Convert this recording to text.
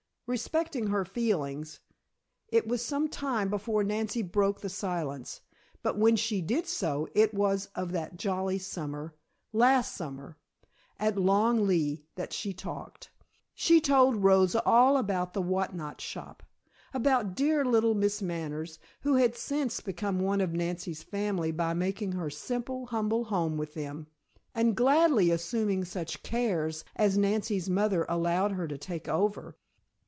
Respecting her feelings, it was some time before Nancy broke the silence, but when she did so it was of that jolly summer last summer at Long Leigh that she talked. She told Rosa all about the Whatnot Shop, about dear little Miss Manners, who had since become one of Nancy's family by making her simple, humble home with them, and gladly assuming such cares as Nancy's mother allowed her to take over.